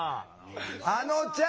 あのちゃん！